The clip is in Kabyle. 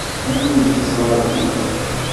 Anwa ay teẓra din?